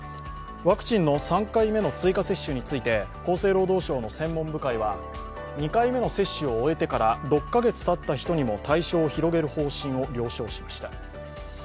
ワクチンの３回目の追加接種ついて、厚生労働省の専門部会は２回目の接種を終えてから６カ月たった人にも対象を広げる方針を了承しました。